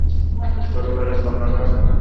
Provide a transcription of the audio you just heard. ছোট বেলায় বন্যাটার কথা মনে আছে?